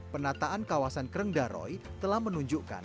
penataan kawasan kreng daroy telah menunjukkan